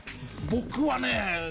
僕はね